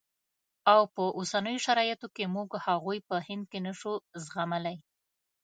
او په اوسنیو شرایطو کې موږ هغوی په هند کې نه شو زغملای.